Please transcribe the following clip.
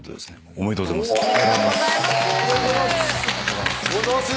ありがとうございます。